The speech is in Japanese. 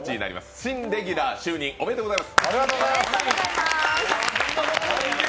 新レギュラー就任、おめでとうございます！